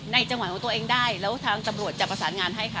จังหวะของตัวเองได้แล้วทางตำรวจจะประสานงานให้คะ